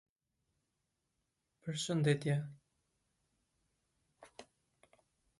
Deliberations were painfully slow.